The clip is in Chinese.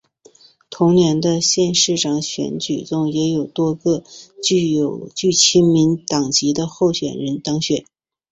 同年的县市长选举中也有多个具亲民党籍的候选人当选。